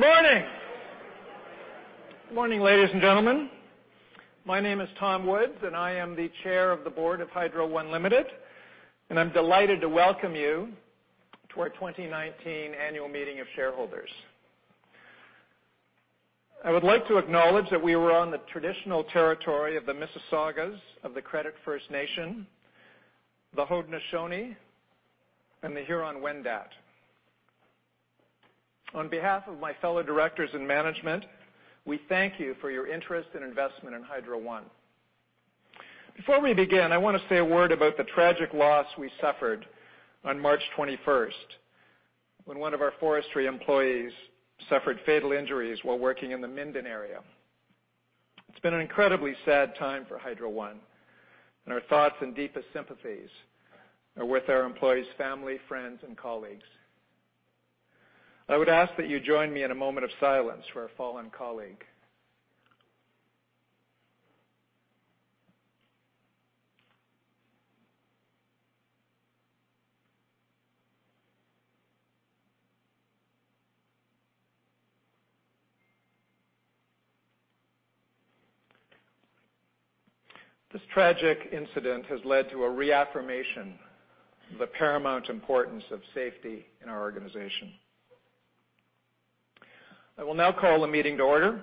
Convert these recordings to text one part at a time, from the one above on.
Good morning. Good morning, ladies and gentlemen. My name is Tom Woods, I am the Chair of the Board of Hydro One Limited, I'm delighted to welcome you to our 2019 annual meeting of shareholders. I would like to acknowledge that we are on the traditional territory of the Mississaugas of the Credit First Nation, the Haudenosaunee, and the Huron-Wendat. On behalf of my fellow directors and management, we thank you for your interest and investment in Hydro One. Before we begin, I want to say a word about the tragic loss we suffered on March 21st, when one of our forestry employees suffered fatal injuries while working in the Minden area. It's been an incredibly sad time for Hydro One, Our thoughts and deepest sympathies are with our employee's family, friends, and colleagues. I would ask that you join me in a moment of silence for our fallen colleague. This tragic incident has led to a reaffirmation of the paramount importance of safety in our organization. I will now call the meeting to order.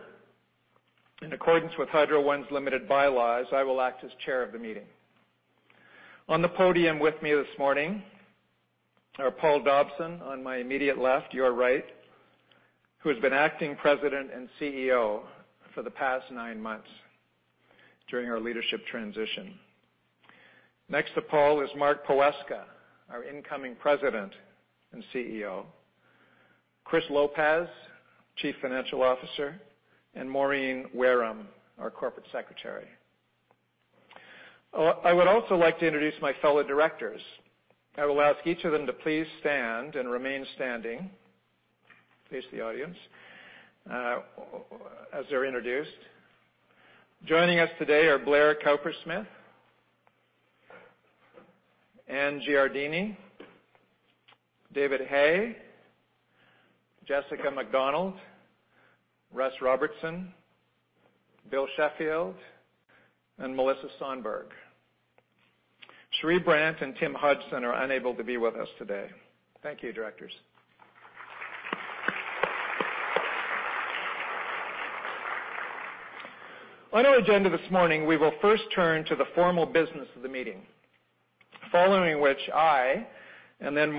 In accordance with Hydro One Limited's bylaws, I will act as chair of the meeting. On the podium with me this morning are Paul Dobson on my immediate left, your right, who has been acting President and CEO for the past nine months during our leadership transition. Next to Paul is Mark Poweska, our incoming President and CEO. Chris Lopez, Chief Financial Officer, Maureen Wareham, our Corporate Secretary. I would also like to introduce my fellow directors. I will ask each of them to please stand and remain standing, face the audience, as they're introduced. Joining us today are Blair Cowper-Smith, Anne Giardini, David Hay, Jessica McDonald, Russ Robertson, Bill Sheffield, Melissa Sonberg. Cherie Brant and Tim Hodgson are unable to be with us today. Thank you, directors. On our agenda this morning, we will first turn to the formal business of the meeting, following which I, then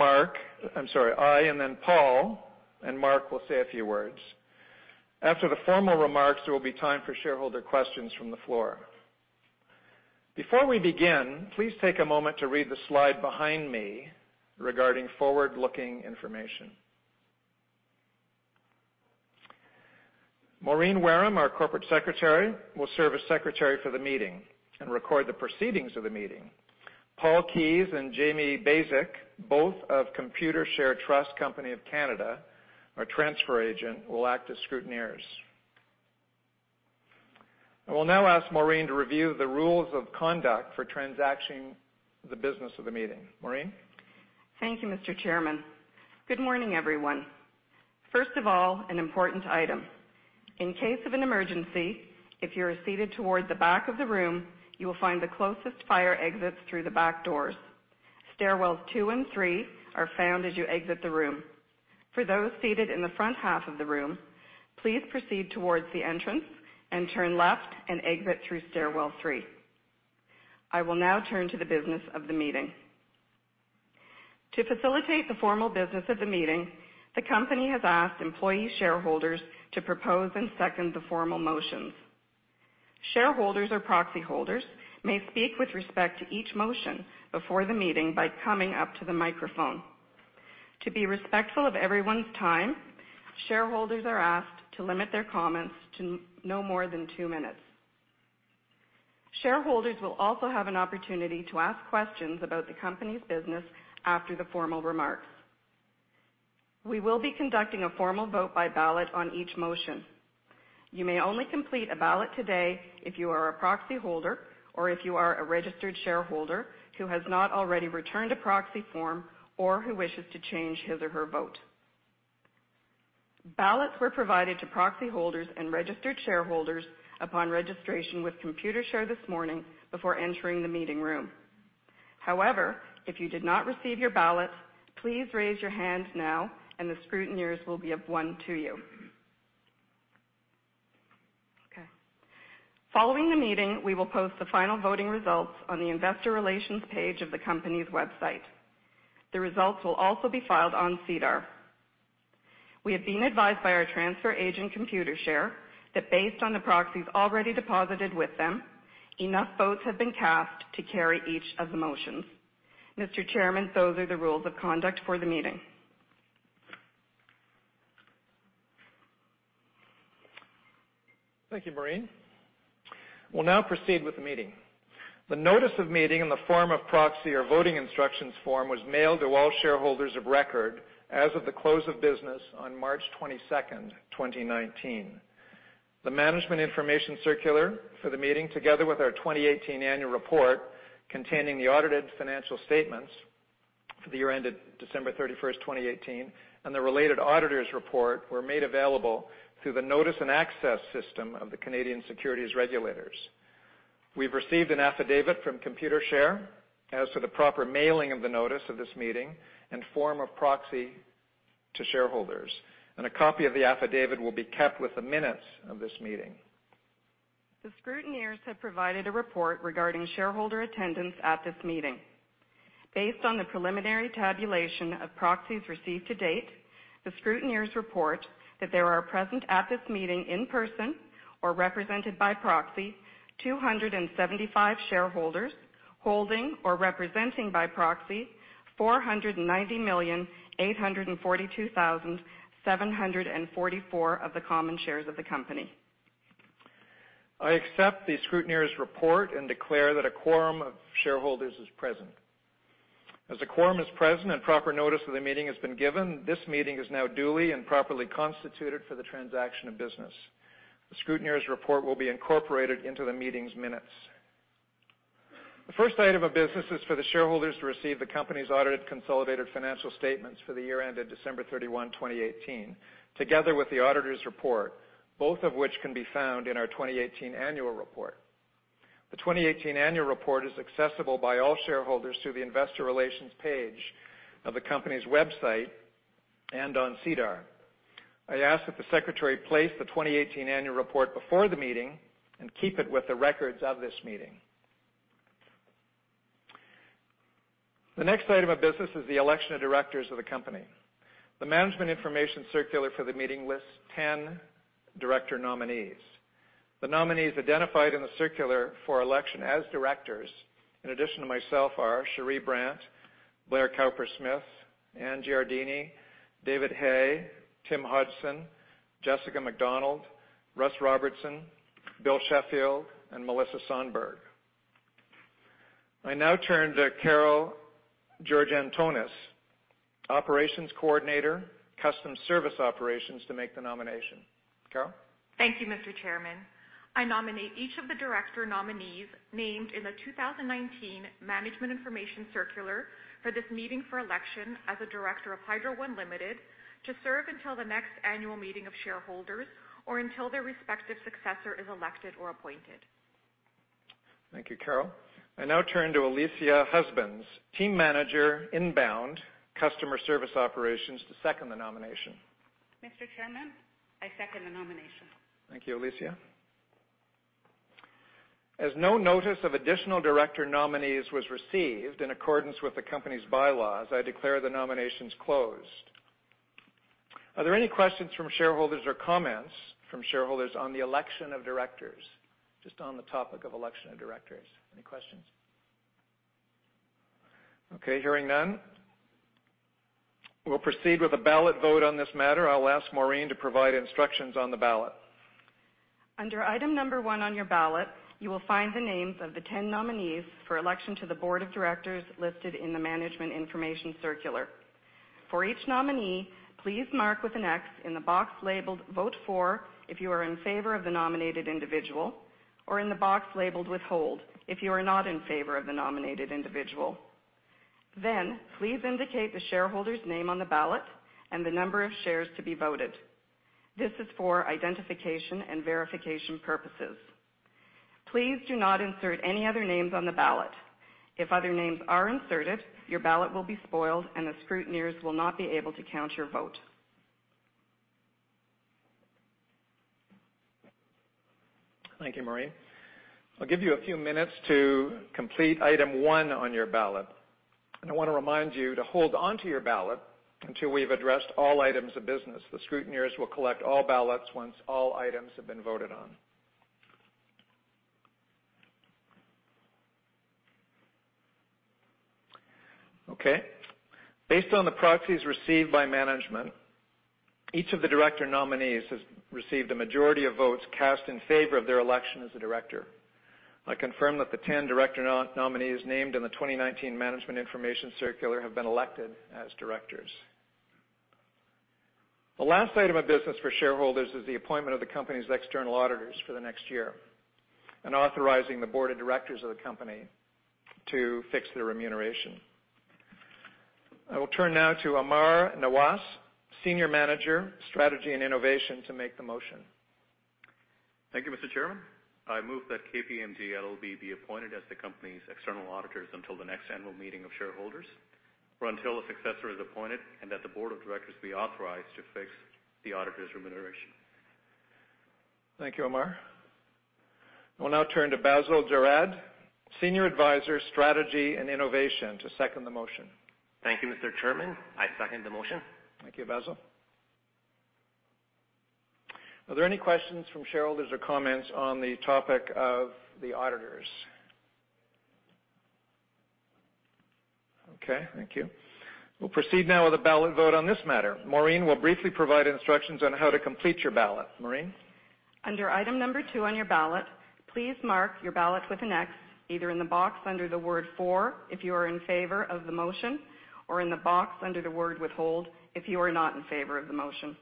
Paul, Mark will say a few words. After the formal remarks, there will be time for shareholder questions from the floor. Before we begin, please take a moment to read the slide behind me regarding forward-looking information. Maureen Wareham, our corporate secretary, will serve as secretary for the meeting record the proceedings of the meeting. Paul Keyes and Jamie Bacik, both of Computershare Trust Company of Canada, our transfer agent, will act as scrutineers. I will now ask Maureen to review the rules of conduct for transacting the business of the meeting. Maureen? Thank you, Mr. Chairman. Good morning, everyone. First of all, an important item. In case of an emergency, if you are seated towards the back of the room, you will find the closest fire exits through the back doors. Stairwells two and three are found as you exit the room. For those seated in the front half of the room, please proceed towards the entrance and turn left, and exit through stairwell three. I will now turn to the business of the meeting. To facilitate the formal business of the meeting, the company has asked employee shareholders to propose and second the formal motions. Shareholders or proxy holders may speak with respect to each motion before the meeting by coming up to the microphone. To be respectful of everyone's time, shareholders are asked to limit their comments to no more than two minutes. Shareholders will also have an opportunity to ask questions about the company's business after the formal remarks. We will be conducting a formal vote-by-ballot on each motion. You may only complete a ballot today if you are a proxy holder or if you are a registered shareholder who has not already returned a proxy form or who wishes to change his or her vote. Ballots were provided to proxy holders and registered shareholders upon registration with Computershare this morning before entering the meeting room. However, if you did not receive your ballot, please raise your hand now and the scrutineers will give one to you. Okay. Following the meeting, we will post the final voting results on the investor relations page of the company's website. The results will also be filed on SEDAR. We have been advised by our transfer agent, Computershare, that based on the proxies already deposited with them, enough votes have been cast to carry each of the motions. Mr. Chairman, those are the rules of conduct for the meeting. Thank you, Maureen. We'll now proceed with the meeting. The notice of meeting in the form of proxy or voting instructions form was mailed to all shareholders of record as of the close of business on March 22nd, 2019. The management information circular for the meeting, together with our 2018 annual report containing the audited financial statements for the year ended December 31st, 2018, and the related auditor's report were made available through the notice and access system of the Canadian securities regulators. We've received an affidavit from Computershare as to the proper mailing of the notice of this meeting and form of proxy to shareholders, and a copy of the affidavit will be kept with the minutes of this meeting. The scrutineers have provided a report regarding shareholder attendance at this meeting. Based on the preliminary tabulation of proxies received to date, the scrutineers report that there are present at this meeting in person or represented by proxy 275 shareholders holding or representing by proxy 490,842,744 of the common shares of the company. I accept the scrutineers' report and declare that a quorum of shareholders is present. As a quorum is present and proper notice of the meeting has been given, this meeting is now duly and properly constituted for the transaction of business. The scrutineers' report will be incorporated into the meeting's minutes. The first item of business is for the shareholders to receive the company's audited consolidated financial statements for the year ended December 31, 2018, together with the auditors' report, both of which can be found in our 2018 annual report. The 2018 annual report is accessible by all shareholders through the investor relations page of the company's website and on SEDAR. I ask that the secretary place the 2018 annual report before the meeting and keep it with the records of this meeting. The next item of business is the election of directors of the company. The management information circular for the meeting lists 10 director nominees. The nominees identified in the circular for election as directors, in addition to myself, are Cherie Brant, Blair Cowper-Smith, Anne Giardini, David Hay, Tim Hodgson, Jessica McDonald, Russel Robertson, William Sheffield, and Melissa Sonberg. I now turn to Carol Georgantonis, Operations Coordinator, Custom Service Operations, to make the nomination. Carol? Thank you, Mr. Chairman. I nominate each of the director nominees named in the 2019 Management Information Circular for this meeting for election as a director of Hydro One Limited to serve until the next annual meeting of shareholders or until their respective successor is elected or appointed. Thank you, Carol. I now turn to Alicia Husbands, Team Manager, Inbound Customer Service Operations, to second the nomination. Mr. Chairman, I second the nomination. Thank you, Alicia. No notice of additional director nominees was received in accordance with the company's bylaws, I declare the nominations closed. Are there any questions from shareholders or comments from shareholders on the election of directors? Just on the topic of election of directors, any questions? Okay, hearing none, we'll proceed with a ballot vote on this matter. I'll ask Maureen to provide instructions on the ballot. Under item number one on your ballot, you will find the names of the 10 nominees for election to the board of directors listed in the Management Information Circular. For each nominee, please mark with an X in the box labeled Vote For if you are in favor of the nominated individual, or in the box labeled Withhold if you are not in favor of the nominated individual. Please indicate the shareholder's name on the ballot and the number of shares to be voted. This is for identification and verification purposes. Please do not insert any other names on the ballot. If other names are inserted, your ballot will be spoiled, and the scrutineers will not be able to count your vote. Thank you, Maureen. I'll give you a few minutes to complete item 1 on your ballot. I want to remind you to hold onto your ballot until we've addressed all items of business. The scrutineers will collect all ballots once all items have been voted on. Okay. Based on the proxies received by management, each of the director nominees has received a majority of votes cast in favor of their election as a director. I confirm that the 10 director nominees named in the 2019 Management Information Circular have been elected as directors. The last item of business for shareholders is the appointment of the company's external auditors for the next year and authorizing the board of directors of the company to fix their remuneration. I will turn now to Amar Nawaz, Senior Manager, Strategy and Innovation, to make the motion. Thank you, Mr. Chairman. I move that KPMG LLP be appointed as the company's external auditors until the next annual meeting of shareholders, or until a successor is appointed, and that the board of directors be authorized to fix the auditors' remuneration. Thank you, Amar. I will now turn to Basel Jarrad, Senior Advisor, Strategy and Innovation, to second the motion. Thank you, Mr. Chairman. I second the motion. Thank you, Basel. Are there any questions from shareholders or comments on the topic of the auditors? Thank you. We'll proceed now with a ballot vote on this matter. Maureen will briefly provide instructions on how to complete your ballot. Maureen? Under item number 2 on your ballot, please mark your ballot with an X either in the box under the word For if you are in favor of the motion or in the box under the word Withhold if you are not in favor of the motion.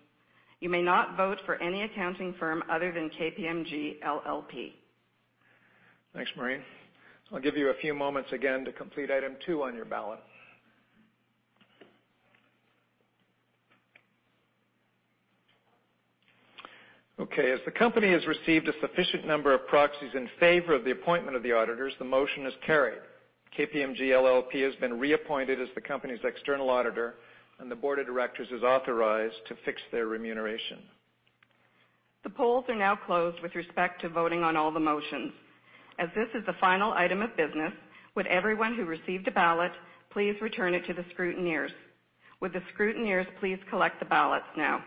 You may not vote for any accounting firm other than KPMG LLP. Thanks, Maureen. I'll give you a few moments again to complete item 2 on your ballot. The company has received a sufficient number of proxies in favor of the appointment of the auditors, the motion is carried. KPMG LLP has been reappointed as the company's external auditor, and the board of directors is authorized to fix their remuneration. The polls are now closed with respect to voting on all the motions. This is the final item of business, would everyone who received a ballot, please return it to the scrutineers. Would the scrutineers please collect the ballots now?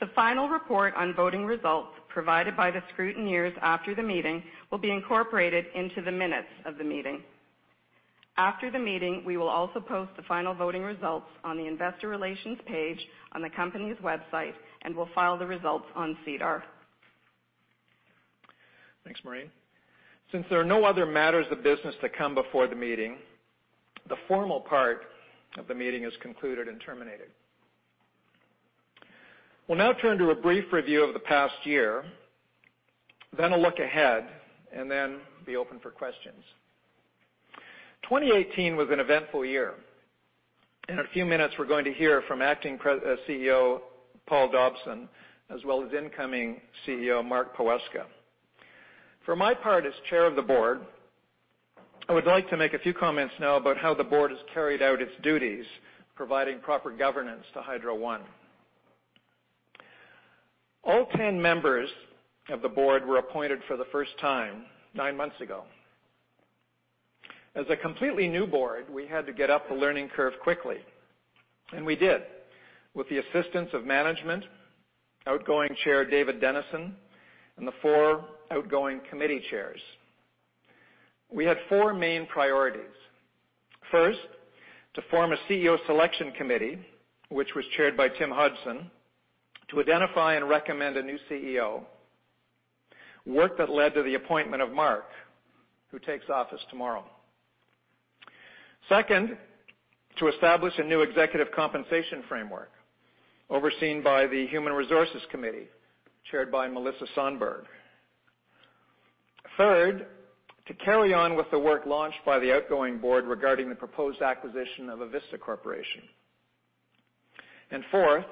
The final report on voting results provided by the scrutineers after the meeting will be incorporated into the minutes of the meeting. After the meeting, we will also post the final voting results on the investor relations page on the company's website and will file the results on SEDAR. Thanks, Maureen. Since there are no other matters of business to come before the meeting, the formal part of the meeting is concluded and terminated. We'll now turn to a brief review of the past year, then a look ahead, and then be open for questions. 2018 was an eventful year. In a few minutes, we're going to hear from Acting CEO, Paul Dobson, as well as Incoming CEO, Mark Poweska. For my part as chair of the board, I would like to make a few comments now about how the board has carried out its duties, providing proper governance to Hydro One. All 10 members of the board were appointed for the first time nine months ago. As a completely new board, we had to get up the learning curve quickly, and we did, with the assistance of management, outgoing chair, David Denison, and the four outgoing committee chairs. We had four main priorities. First, to form a CEO selection committee, which was chaired by Tim Hodgson, to identify and recommend a new CEO, work that led to the appointment of Mark, who takes office tomorrow. Second, to establish a new executive compensation framework overseen by the Human Resources Committee, chaired by Melissa Sonberg. Third, to carry on with the work launched by the outgoing board regarding the proposed acquisition of Avista Corporation. Fourth,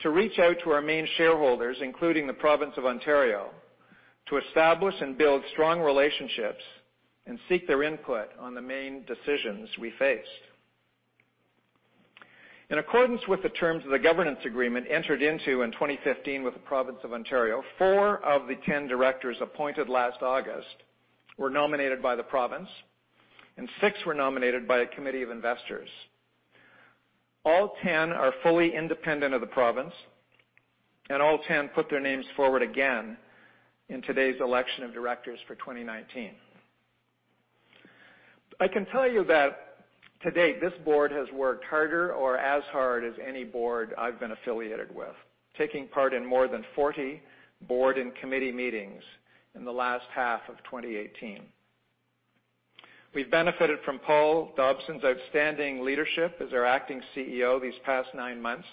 to reach out to our main shareholders, including the province of Ontario, to establish and build strong relationships and seek their input on the main decisions we faced. In accordance with the terms of the governance agreement entered into in 2015 with the province of Ontario, four of the 10 directors appointed last August were nominated by the province, and six were nominated by a committee of investors. All 10 are fully independent of the province. All 10 put their names forward again in today's election of directors for 2019. I can tell you that to date, this board has worked harder or as hard as any board I've been affiliated with, taking part in more than 40 board and committee meetings in the last half of 2018. We've benefited from Paul Dobson's outstanding leadership as our Acting CEO these past nine months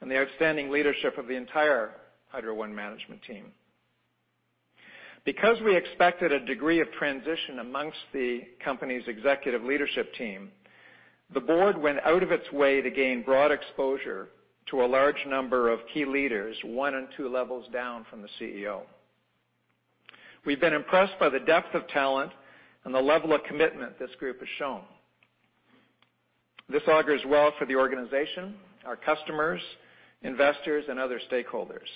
and the outstanding leadership of the entire Hydro One management team. Because we expected a degree of transition amongst the company's executive leadership team, the board went out of its way to gain broad exposure to a large number of key leaders, one and two levels down from the CEO. We've been impressed by the depth of talent and the level of commitment this group has shown. This augurs well for the organization, our customers, investors, and other stakeholders.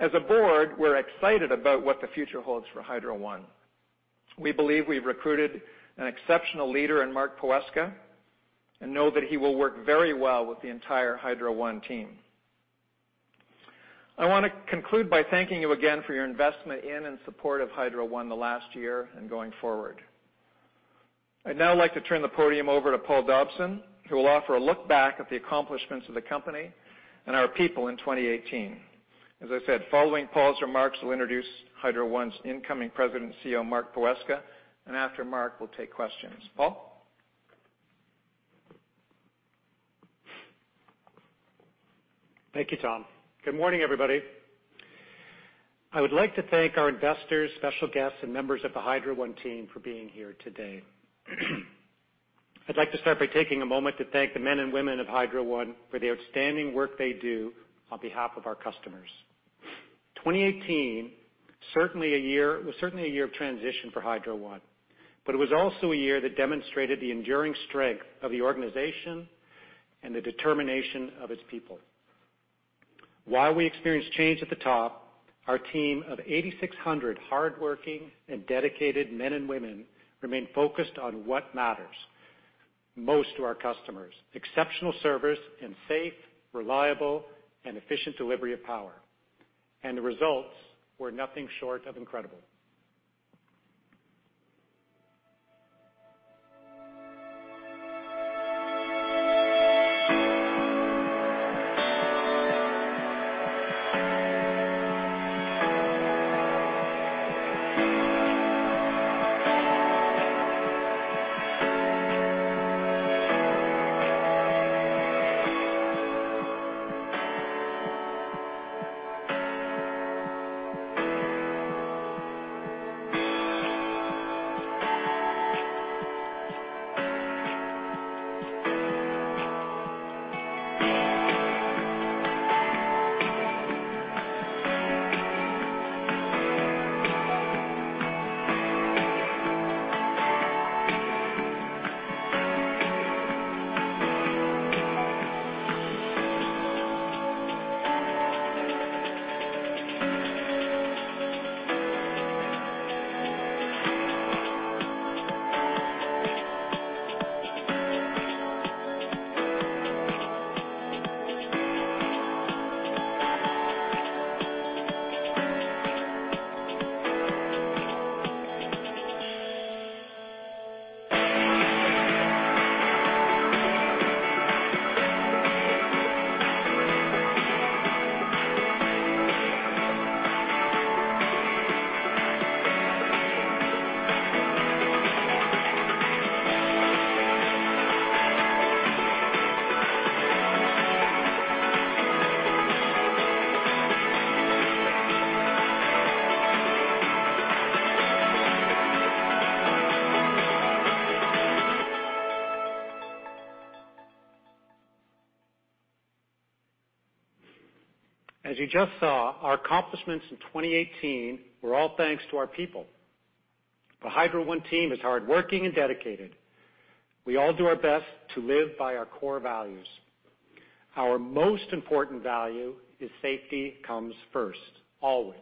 As a board, we're excited about what the future holds for Hydro One. We believe we've recruited an exceptional leader in Mark Poweska and know that he will work very well with the entire Hydro One team. I want to conclude by thanking you again for your investment in and support of Hydro One in the last year and going forward. I'd now like to turn the podium over to Paul Dobson, who will offer a look back at the accomplishments of the company and our people in 2018. As I said, following Paul's remarks, he'll introduce Hydro One's Incoming President and CEO, Mark Poweska, and after Mark, we'll take questions. Paul? Thank you, Tom. Good morning, everybody. I would like to thank our investors, special guests, and members of the Hydro One team for being here today. I'd like to start by taking a moment to thank the men and women of Hydro One for the outstanding work they do on behalf of our customers. 2018 was certainly a year of transition for Hydro One, but it was also a year that demonstrated the enduring strength of the organization and the determination of its people. While we experienced change at the top, our team of 8,600 hardworking and dedicated men and women remained focused on what matters most to our customers, exceptional service and safe, reliable, and efficient delivery of power. The results were nothing short of incredible. As you just saw, our accomplishments in 2018 were all thanks to our people. The Hydro One team is hardworking and dedicated. We all do our best to live by our core values. Our most important value is safety comes first, always.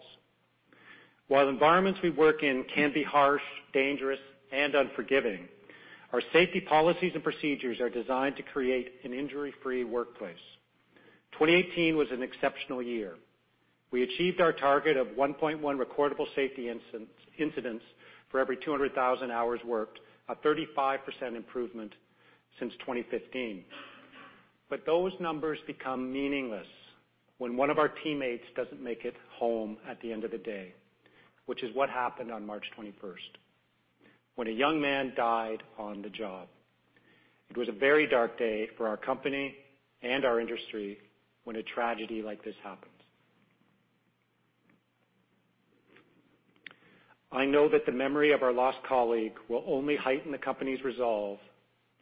While the environments we work in can be harsh, dangerous, and unforgiving, our safety policies and procedures are designed to create an injury-free workplace. 2018 was an exceptional year. We achieved our target of 1.1 recordable safety incidents for every 200,000 hours worked, a 35% improvement since 2015. Those numbers become meaningless when one of our teammates doesn't make it home at the end of the day, which is what happened on March 21st, when a young man died on the job. It was a very dark day for our company and our industry when a tragedy like this happens. I know that the memory of our lost colleague will only heighten the company's resolve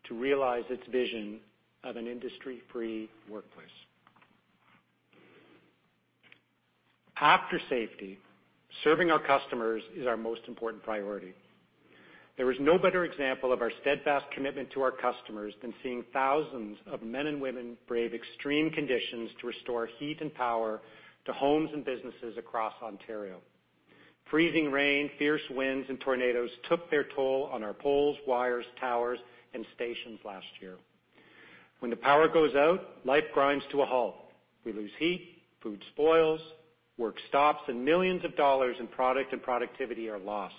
to realize its vision of an industry-free workplace. After safety, serving our customers is our most important priority. There is no better example of our steadfast commitment to our customers than seeing thousands of men and women brave extreme conditions to restore heat and power to homes and businesses across Ontario. Freezing rain, fierce winds, and tornadoes took their toll on our poles, wires, towers, and stations last year. When the power goes out, life grinds to a halt. We lose heat, food spoils, work stops, and millions of dollars in product and productivity are lost.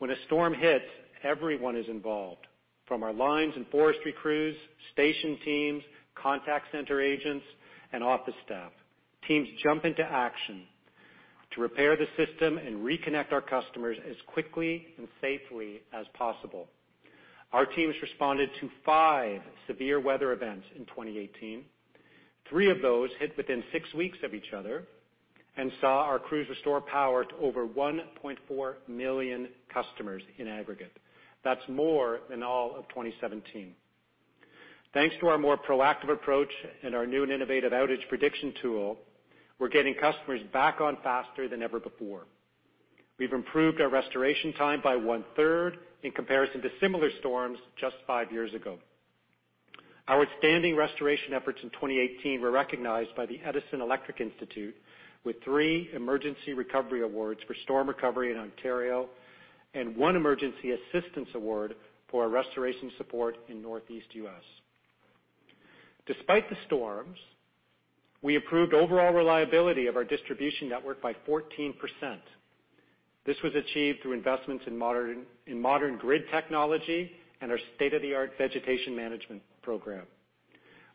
When a storm hits, everyone is involved, from our lines and forestry crews, station teams, contact center agents, and office staff. Teams jump into action to repair the system and reconnect our customers as quickly and safely as possible. Our teams responded to five severe weather events in 2018. Three of those hit within six weeks of each other and saw our crews restore power to over 1.4 million customers in aggregate. That's more than all of 2017. Thanks to our more proactive approach and our new and innovative outage prediction tool, we're getting customers back on faster than ever before. We've improved our restoration time by one-third in comparison to similar storms just five years ago. Our outstanding restoration efforts in 2018 were recognized by the Edison Electric Institute with three emergency recovery awards for storm recovery in Ontario and one emergency assistance award for our restoration support in Northeast U.S. Despite the storms, we improved overall reliability of our distribution network by 14%. This was achieved through investments in modern grid technology and our state-of-the-art vegetation management program.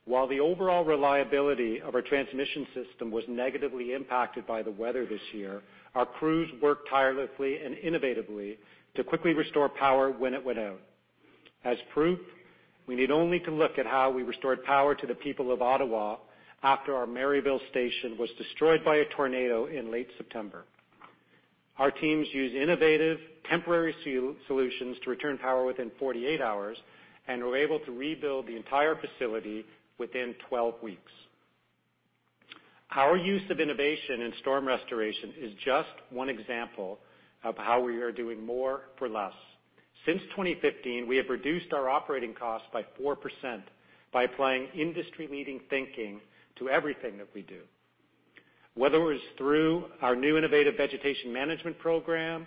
While the overall reliability of our transmission system was negatively impacted by the weather this year, our crews worked tirelessly and innovatively to quickly restore power when it went out. As proof, we need only to look at how we restored power to the people of Ottawa after our Merivale station was destroyed by a tornado in late September. Our teams used innovative temporary solutions to return power within 48 hours and were able to rebuild the entire facility within 12 weeks. Our use of innovation in storm restoration is just one example of how we are doing more for less. Since 2015, we have reduced our operating cost by 4% by applying industry-leading thinking to everything that we do. Whether it's through our new innovative vegetation management program,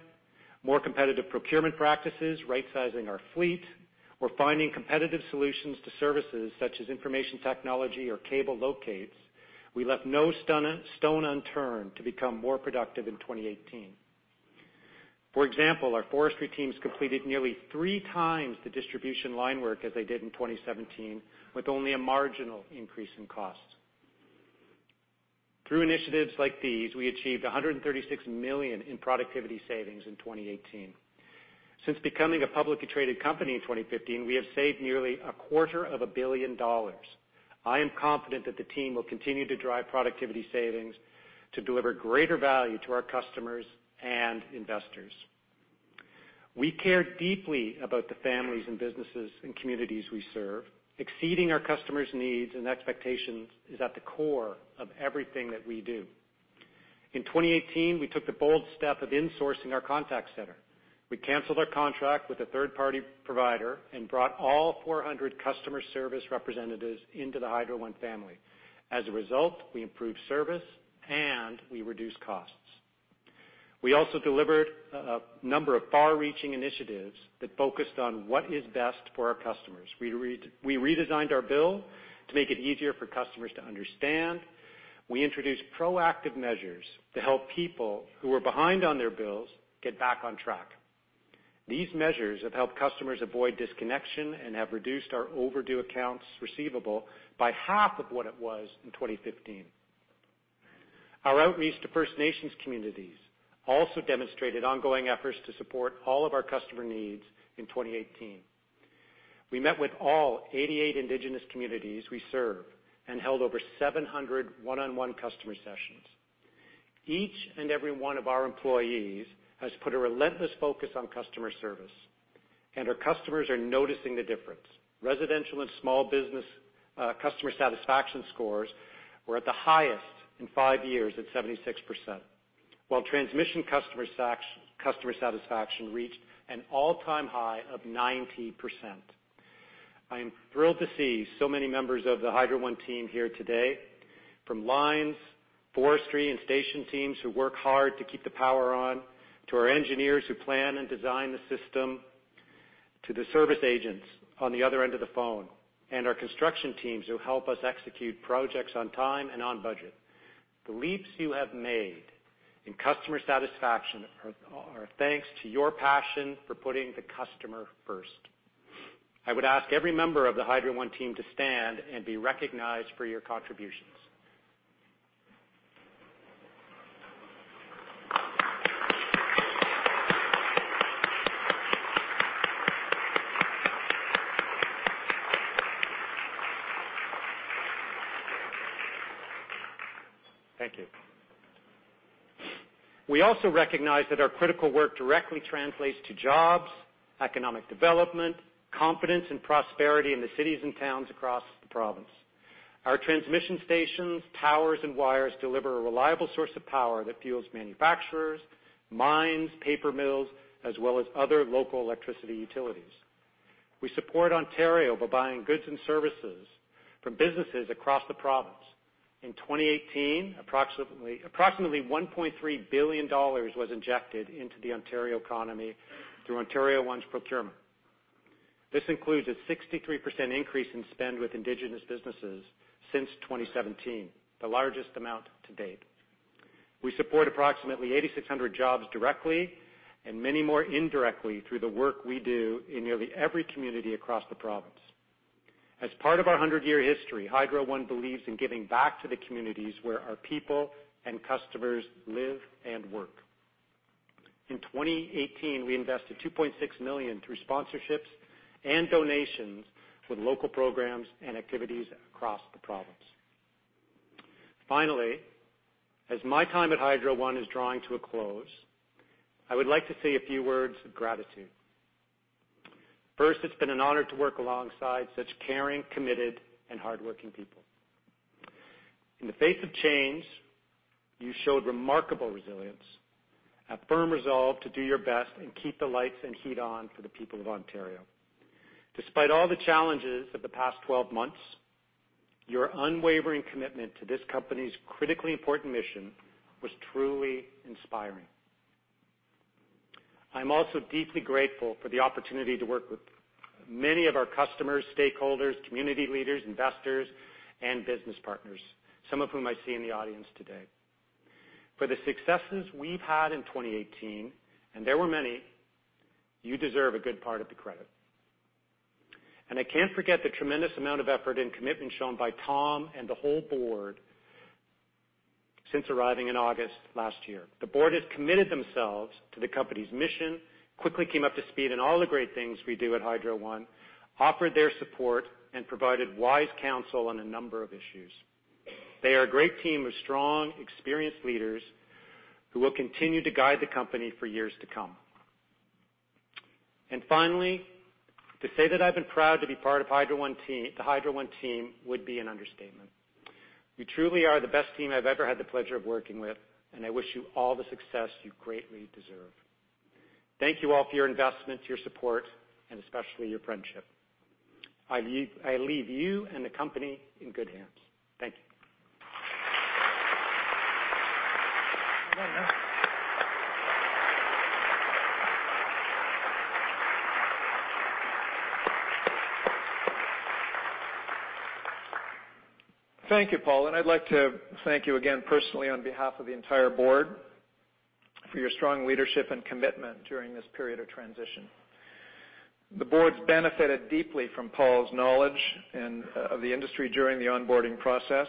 more competitive procurement practices, right-sizing our fleet, or finding competitive solutions to services such as information technology or cable locates, we left no stone unturned to become more productive in 2018. For example, our forestry teams completed nearly three times the distribution line work as they did in 2017, with only a marginal increase in costs. Through initiatives like these, we achieved 136 million in productivity savings in 2018. Since becoming a publicly traded company in 2015, we have saved nearly a quarter of a billion dollars. I am confident that the team will continue to drive productivity savings to deliver greater value to our customers and investors. We care deeply about the families and businesses and communities we serve. Exceeding our customers' needs and expectations is at the core of everything that we do. In 2018, we took the bold step of insourcing our contact center. We canceled our contract with a third-party provider and brought all 400 customer service representatives into the Hydro One family. As a result, we improved service and we reduced costs. We also delivered a number of far-reaching initiatives that focused on what is best for our customers. We redesigned our bill to make it easier for customers to understand. We introduced proactive measures to help people who were behind on their bills get back on track. These measures have helped customers avoid disconnection and have reduced our overdue accounts receivable by half of what it was in 2015. Our outreach to First Nations communities also demonstrated ongoing efforts to support all of our customer needs in 2018. We met with all 88 Indigenous communities we serve and held over 700 one-on-one customer sessions. Each and every one of our employees has put a relentless focus on customer service. Our customers are noticing the difference. Residential and small business customer satisfaction scores were at the highest in five years at 76%, while transmission customer satisfaction reached an all-time high of 90%. I am thrilled to see so many members of the Hydro One team here today, from lines, forestry, and station teams who work hard to keep the power on, to our engineers who plan and design the system, to the service agents on the other end of the phone, and our construction teams who help us execute projects on time and on budget. The leaps you have made in customer satisfaction are thanks to your passion for putting the customer first. I would ask every member of the Hydro One team to stand and be recognized for your contributions. Thank you. We also recognize that our critical work directly translates to jobs, economic development, confidence, and prosperity in the cities and towns across the province. Our transmission stations, towers, and wires deliver a reliable source of power that fuels manufacturers, mines, paper mills, as well as other local electricity utilities. We support Ontario by buying goods and services from businesses across the province. In 2018, approximately 1.3 billion dollars was injected into the Ontario economy through Hydro One's procurement. This includes a 63% increase in spend with indigenous businesses since 2017, the largest amount to date. We support approximately 8,600 jobs directly and many more indirectly through the work we do in nearly every community across the province. As part of our 100-year history, Hydro One believes in giving back to the communities where our people and customers live and work. In 2018, we invested 2.6 million through sponsorships and donations with local programs and activities across the province. As my time at Hydro One is drawing to a close, I would like to say a few words of gratitude. It's been an honor to work alongside such caring, committed, and hardworking people. In the face of change, you showed remarkable resilience, a firm resolve to do your best, and keep the lights and heat on for the people of Ontario. Despite all the challenges of the past 12 months, your unwavering commitment to this company's critically important mission was truly inspiring. I'm also deeply grateful for the opportunity to work with many of our customers, stakeholders, community leaders, investors, and business partners, some of whom I see in the audience today. For the successes we've had in 2018, and there were many, you deserve a good part of the credit. I can't forget the tremendous amount of effort and commitment shown by Tom and the whole board since arriving in August last year. The board has committed themselves to the company's mission, quickly came up to speed on all the great things we do at Hydro One, offered their support, and provided wise counsel on a number of issues. They are a great team of strong, experienced leaders who will continue to guide the company for years to come. Finally, to say that I've been proud to be part of the Hydro One team would be an understatement. You truly are the best team I've ever had the pleasure of working with, and I wish you all the success you greatly deserve. Thank you all for your investment, your support, and especially your friendship. I leave you and the company in good hands. Thank you. Thank you, Paul, and I'd like to thank you again personally on behalf of the entire board for your strong leadership and commitment during this period of transition. The board's benefited deeply from Paul's knowledge of the industry during the onboarding process,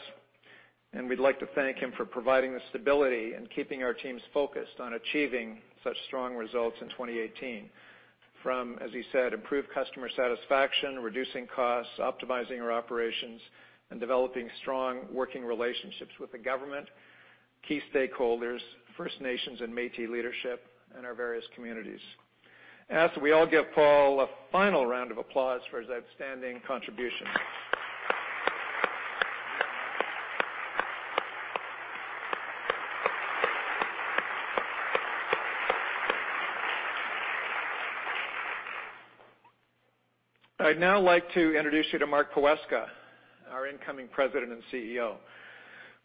and we'd like to thank him for providing the stability and keeping our teams focused on achieving such strong results in 2018 from, as he said, improved customer satisfaction, reducing costs, optimizing our operations, and developing strong working relationships with the government, key stakeholders, First Nations and Métis leadership, and our various communities. I ask that we all give Paul a final round of applause for his outstanding contribution. I'd now like to introduce you to Mark Poweska, our incoming President and CEO.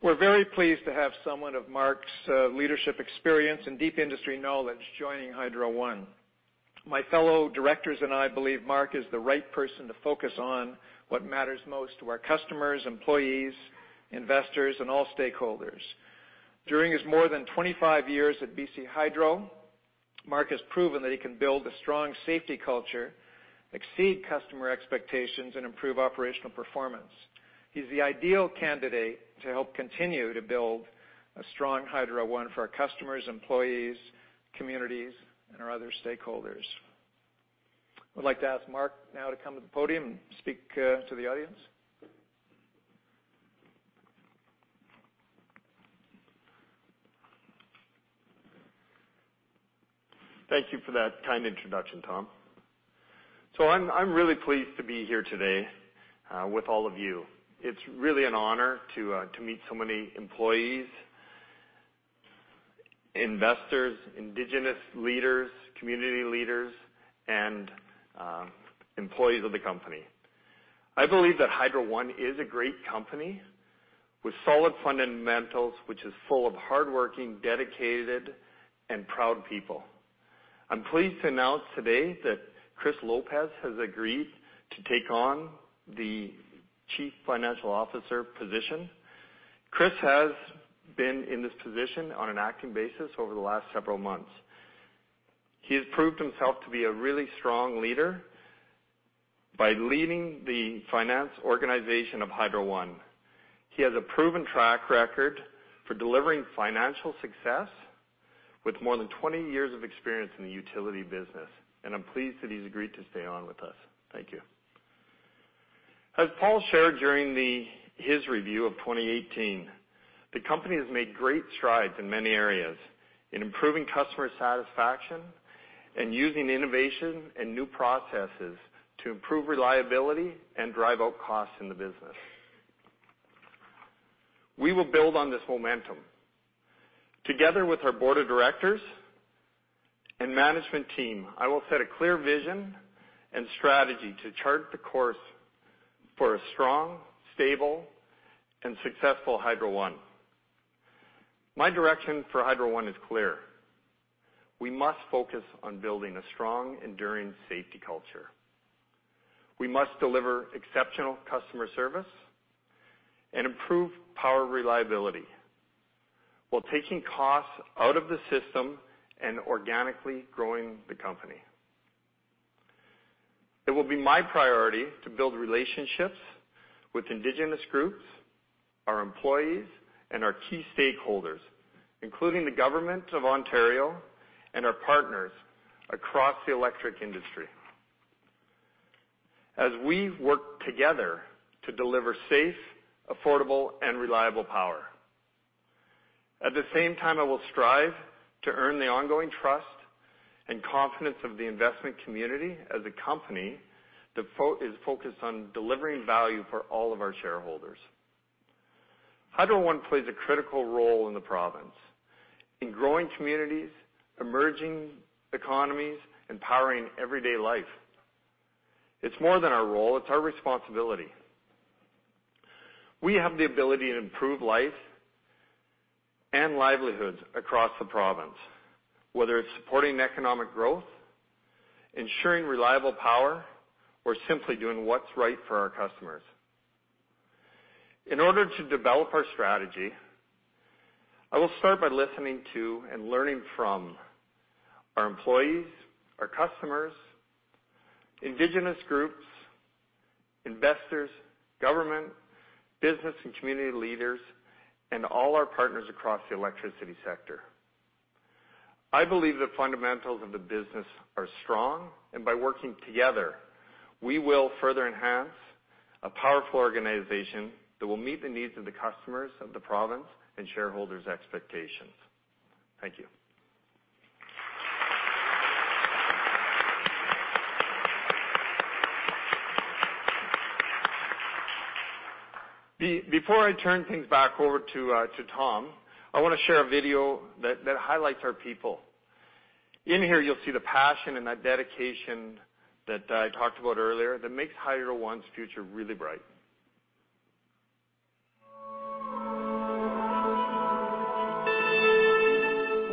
We're very pleased to have someone of Mark's leadership experience and deep industry knowledge joining Hydro One. My fellow directors and I believe Mark is the right person to focus on what matters most to our customers, employees, investors, and all stakeholders. During his more than 25 years at BC Hydro, Mark has proven that he can build a strong safety culture, exceed customer expectations, and improve operational performance. He's the ideal candidate to help continue to build a strong Hydro One for our customers, employees, communities, and our other stakeholders. I would like to ask Mark now to come to the podium and speak to the audience. Thank you for that kind introduction, Tom. I'm really pleased to be here today with all of you. It's really an honor to meet so many employees, investors, Indigenous leaders, community leaders, and employees of the company. I believe that Hydro One is a great company with solid fundamentals, which is full of hardworking, dedicated, and proud people. I'm pleased to announce today that Chris Lopez has agreed to take on the Chief Financial Officer position. Chris has been in this position on an acting basis over the last several months. He has proved himself to be a really strong leader by leading the finance organization of Hydro One. He has a proven track record for delivering financial success, with more than 20 years of experience in the utility business, and I'm pleased that he's agreed to stay on with us. Thank you. As Paul shared during his review of 2018, the company has made great strides in many areas in improving customer satisfaction and using innovation and new processes to improve reliability and drive out costs in the business. We will build on this momentum. Together with our board of directors and management team, I will set a clear vision and strategy to chart the course for a strong, stable, and successful Hydro One. My direction for Hydro One is clear. We must focus on building a strong, enduring safety culture. We must deliver exceptional customer service and improve power reliability while taking costs out of the system and organically growing the company. It will be my priority to build relationships with Indigenous groups, our employees, and our key stakeholders, including the Government of Ontario and our partners across the electric industry, as we work together to deliver safe, affordable, and reliable power. At the same time, I will strive to earn the ongoing trust and confidence of the investment community as a company that is focused on delivering value for all of our shareholders. Hydro One plays a critical role in the province in growing communities, emerging economies, and powering everyday life. It's more than our role, it's our responsibility. We have the ability to improve life and livelihoods across the province, whether it's supporting economic growth, ensuring reliable power, or simply doing what's right for our customers. In order to develop our strategy, I will start by listening to and learning from our employees, our customers, Indigenous groups, investors, Government, business and community leaders, and all our partners across the electricity sector. I believe the fundamentals of the business are strong. By working together, we will further enhance a powerful organization that will meet the needs of the customers of the province and shareholders' expectations. Thank you. Before I turn things back over to Tom, I want to share a video that highlights our people. In here, you'll see the passion and that dedication that I talked about earlier that makes Hydro One's future really bright.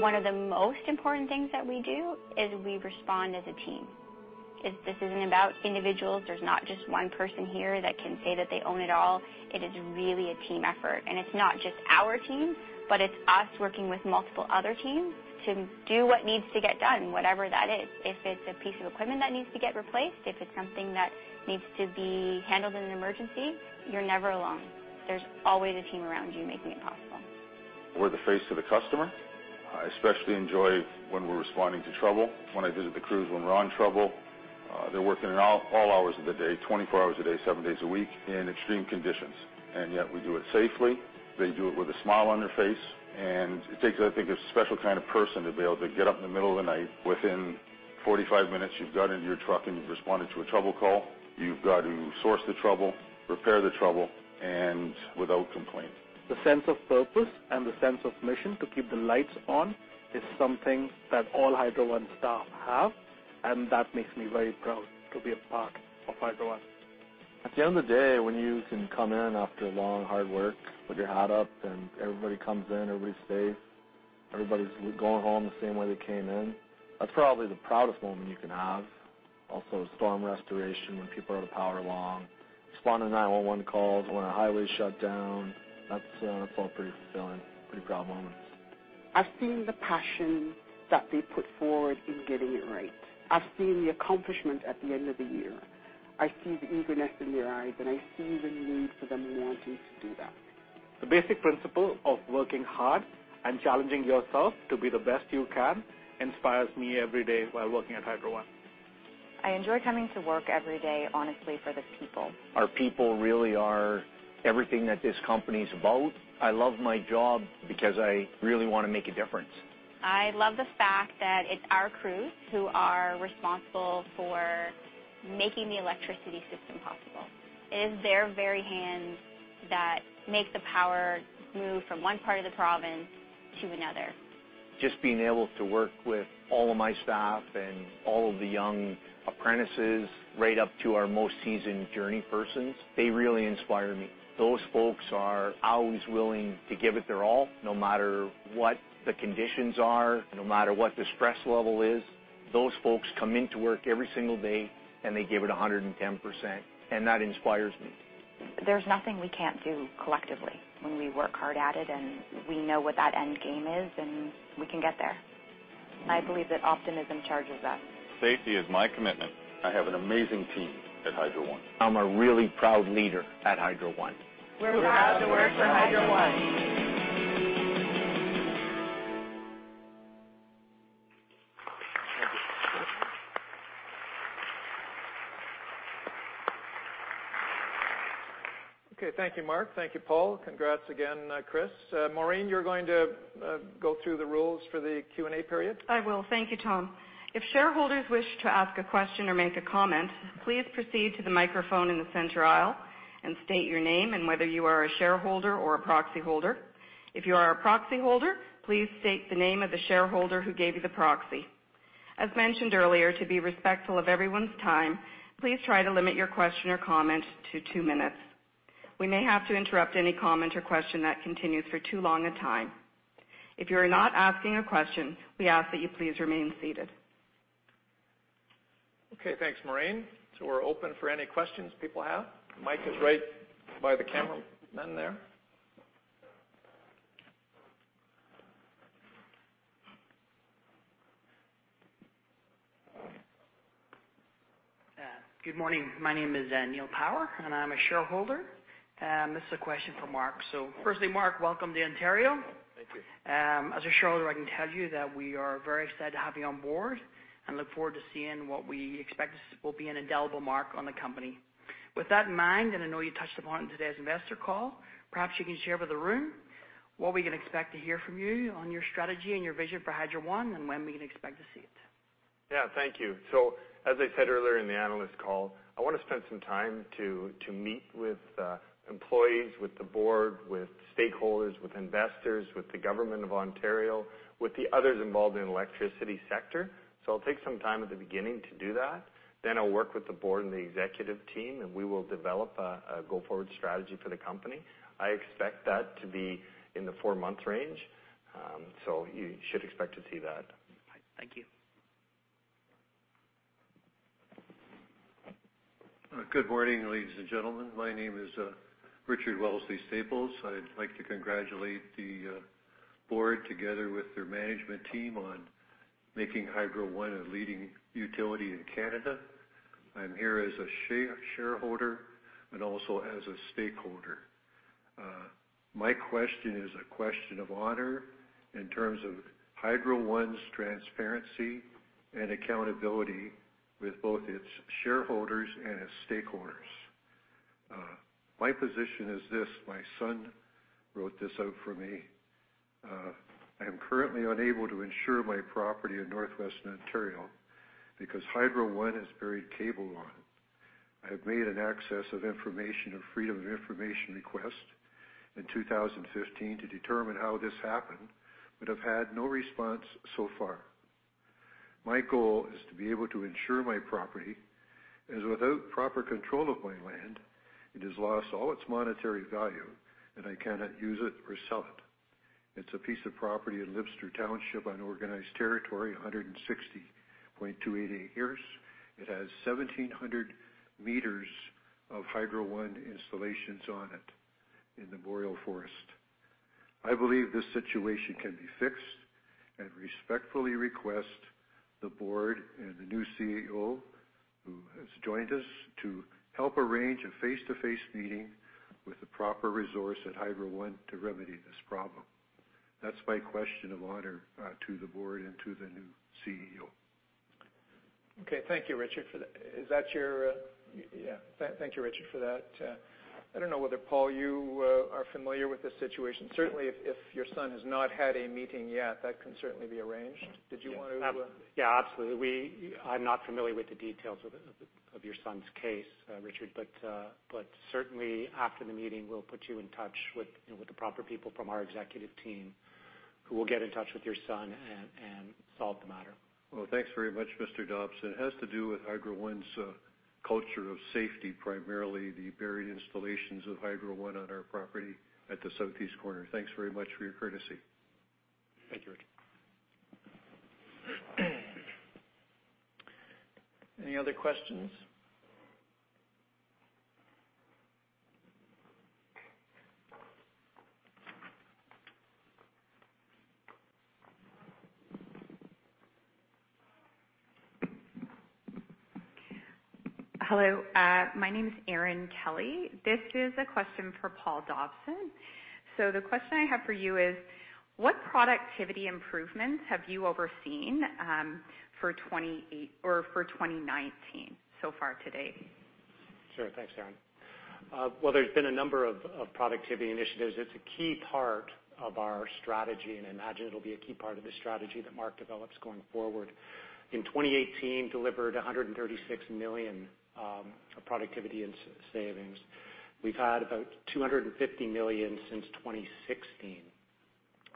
One of the most important things that we do is we respond as a team. This isn't about individuals. There's not just one person here that can say that they own it all. It is really a team effort. It's not just our team, but it's us working with multiple other teams to do what needs to get done, whatever that is. If it's a piece of equipment that needs to get replaced, if it's something that needs to be handled in an emergency, you're never alone. There's always a team around you making it possible. We're the face of the customer. I especially enjoy when we're responding to trouble. When I visit the crews when we're on trouble, they're working in all hours of the day, 24 hours a day, seven days a week in extreme conditions. Yet we do it safely. They do it with a smile on their face. It takes, I think, a special kind of person to be able to get up in the middle of the night. Within 45 minutes, you've got into your truck and you've responded to a trouble call. You've got to source the trouble, repair the trouble, without complaint. The sense of purpose and the sense of mission to keep the lights on is something that all Hydro One staff have. That makes me very proud to be a part of Hydro One. At the end of the day, when you can come in after long, hard work with your head up and everybody comes in, everybody's safe, everybody's going home the same way they came in, that's probably the proudest moment you can have. Also, storm restoration, when people are out of power long. Responding to 911 calls when a highway's shut down. That's all pretty fulfilling, pretty proud moments. I've seen the passion that they put forward in getting it right. I've seen the accomplishment at the end of the year. I see the eagerness in their eyes. I see the need for them wanting to do that. The basic principle of working hard and challenging yourself to be the best you can inspires me every day while working at Hydro One. I enjoy coming to work every day, honestly, for the people. Our people really are everything that this company's about. I love my job because I really want to make a difference. I love the fact that it's our crews who are responsible for making the electricity system possible. It is their very hands that make the power move from one part of the province to another. Just being able to work with all of my staff and all of the young apprentices, right up to our most seasoned journey persons, they really inspire me. Those folks are always willing to give it their all, no matter what the conditions are, no matter what the stress level is. Those folks come into work every single day, and they give it 110%. That inspires me. There's nothing we can't do collectively when we work hard at it, and we know what that end game is, and we can get there. I believe that optimism charges us. Safety is my commitment. I have an amazing team at Hydro One. I'm a really proud leader at Hydro One. We're proud to work for Hydro One. Thank you. Okay, thank you, Mark. Thank you, Paul. Congrats again, Chris. Maureen, you are going to go through the rules for the Q&A period? I will. Thank you, Tom. If shareholders wish to ask a question or make a comment, please proceed to the microphone in the center aisle and state your name and whether you are a shareholder or a proxyholder. If you are a proxyholder, please state the name of the shareholder who gave you the proxy. As mentioned earlier, to be respectful of everyone's time, please try to limit your question or comment to two minutes. We may have to interrupt any comment or question that continues for too long a time. If you are not asking a question, we ask that you please remain seated. Okay. Thanks, Maureen. We are open for any questions people have. Mic is right by the cameraman there. Good morning. My name is Neil Power, and I'm a shareholder. This is a question for Mark. Firstly, Mark, welcome to Ontario. Thank you. As a shareholder, I can tell you that we are very excited to have you on board and look forward to seeing what we expect will be an indelible mark on the company. With that in mind, I know you touched upon it in today's investor call, perhaps you can share with the room what we can expect to hear from you on your strategy and your vision for Hydro One and when we can expect to see it. Yeah, thank you. As I said earlier in the analyst call, I want to spend some time to meet with employees, with the board, with stakeholders, with investors, with the government of Ontario, with the others involved in the electricity sector. I'll take some time at the beginning to do that. I'll work with the board and the executive team, and we will develop a go-forward strategy for the company. I expect that to be in the four-month range. You should expect to see that. Thank you. Good morning, ladies and gentlemen. My name is Richard Wellesley Staples. I'd like to congratulate the board together with their management team on making Hydro One a leading utility in Canada. I'm here as a shareholder and also as a stakeholder. My question is a question of honor in terms of Hydro One's transparency and accountability with both its shareholders and its stakeholders. My position is this. My son wrote this out for me. I am currently unable to insure my property in Northwest Ontario because Hydro One has buried cable on it. I have made an access of information, a freedom of information request in 2015 to determine how this happened, but have had no response so far. My goal is to be able to insure my property, as without proper control of my land, it has lost all its monetary value and I cannot use it or sell it. It's a piece of property in Lybster Township, unorganized territory, 160.28 acres. It has 1,700 meters of Hydro One installations on it in the Boreal Forest. I believe this situation can be fixed and respectfully request the board and the new CEO who has joined us to help arrange a face-to-face meeting with the proper resource at Hydro One to remedy this problem. That's my question of honor to the board and to the new CEO. Okay. Thank you, Richard, for that. Thank you, Richard, for that. I don't know whether, Paul, you are familiar with this situation. Certainly, if your son has not had a meeting yet, that can certainly be arranged. Did you want to- Yeah, absolutely. I'm not familiar with the details of your son's case, Richard. Certainly after the meeting, we'll put you in touch with the proper people from our executive team who will get in touch with your son and solve the matter. Well, thanks very much, Mr. Dobson. It has to do with Hydro One's culture of safety, primarily the buried installations of Hydro One on our property at the southeast corner. Thanks very much for your courtesy. Thank you, Richard. Any other questions? Hello, my name is Erin Kelly. This is a question for Paul Dobson. The question I have for you is, what productivity improvements have you overseen for 2019 so far to date? Sure. Thanks, Erin. Well, there's been a number of productivity initiatives. It's a key part of our strategy, I imagine it'll be a key part of the strategy that Mark develops going forward. In 2018, delivered 136 million of productivity and savings. We've had about 250 million since 2016.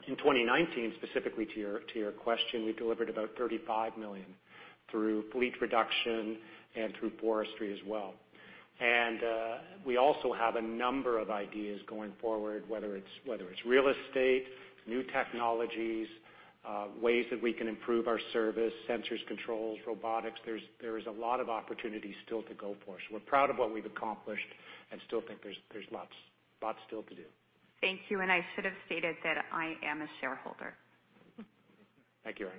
In 2019, specifically to your question, we delivered about 35 million through fleet reduction and through forestry as well. We also have a number of ideas going forward, whether it's real estate, new technologies, ways that we can improve our service, sensors, controls, robotics. There is a lot of opportunity still to go for. We're proud of what we've accomplished and still think there's lots still to do. Thank you. I should have stated that I am a shareholder. Thank you, Erin.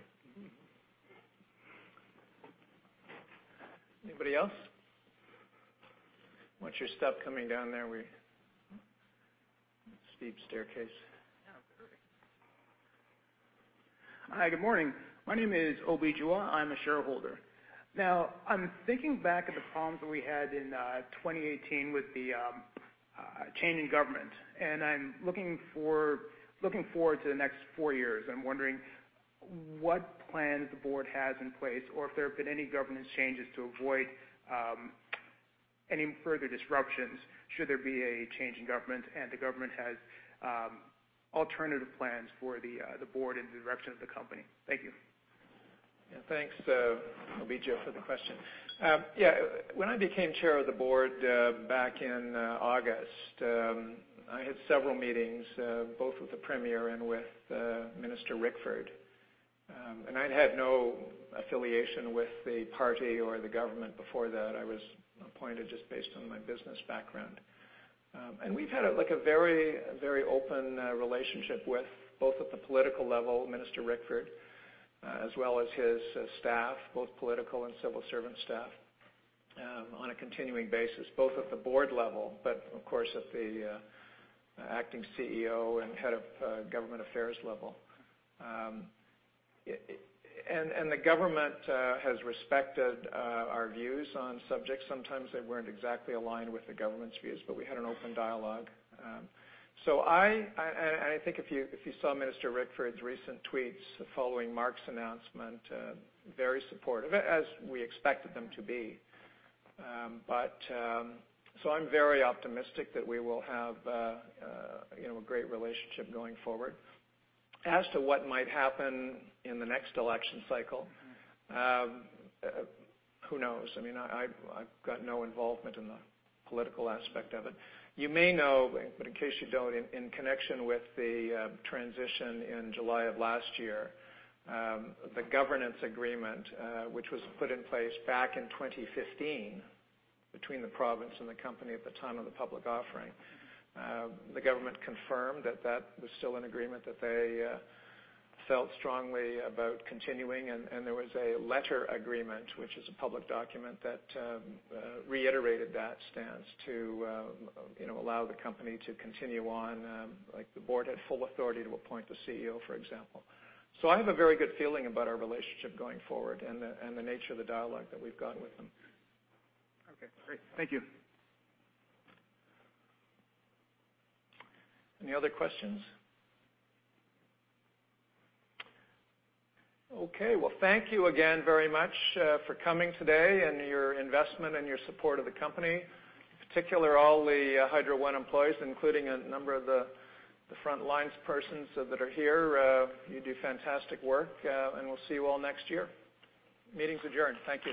Anybody else? Watch your step coming down there, steep staircase. Yeah, very. Hi, good morning. My name is Obi Joa. I'm a shareholder. Now, I'm thinking back at the problems that we had in 2018 with the change in government, and I'm looking forward to the next four years. I'm wondering what plans the board has in place, or if there have been any governance changes to avoid any further disruptions should there be a change in government and the government has alternative plans for the board and the direction of the company. Thank you. Yeah, thanks, Obi Joa, for the question. Yeah, when I became Chair of the Board back in August, I had several meetings both with the Premier and with Minister Rickford. I'd had no affiliation with the party or the government before that. I was appointed just based on my business background. We've had a very open relationship with both at the political level, Minister Rickford as well as his staff, both political and civil servant staff, on a continuing basis, both at the Board level but, of course, at the Acting CEO and Head of Government Affairs level. The government has respected our views on subjects. Sometimes they weren't exactly aligned with the government's views, but we had an open dialogue. I think if you saw Minister Rickford's recent tweets following Mark's announcement, very supportive, as we expected them to be. I'm very optimistic that we will have a great relationship going forward. As to what might happen in the next election cycle, who knows? I've got no involvement in the political aspect of it. You may know, but in case you don't, in connection with the transition in July of last year, the governance agreement which was put in place back in 2015 between the province and the company at the time of the public offering, the government confirmed that that was still an agreement that they felt strongly about continuing, and there was a letter agreement, which is a public document that reiterated that stance to allow the company to continue on, like the board had full authority to appoint the CEO, for example. I have a very good feeling about our relationship going forward and the nature of the dialogue that we've got with them. Okay, great. Thank you. Any other questions? Okay. Well, thank you again very much for coming today and your investment and your support of the company. In particular, all the Hydro One employees, including a number of the front-line persons that are here, you do fantastic work, and we'll see you all next year. Meeting's adjourned. Thank you.